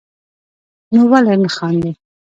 نو ولي نه خاندئ